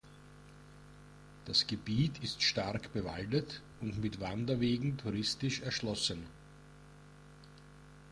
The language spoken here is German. Das Gebiet ist stark bewaldet und mit Wanderwegen touristisch erschlossen.